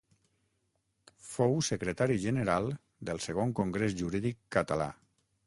Fou secretari general del Segon Congrés Jurídic Català.